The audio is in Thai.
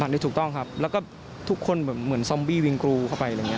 มันได้ถูกต้องครับแล้วก็ทุกคนเหมือนซอมบี้วิงกรูเข้าไป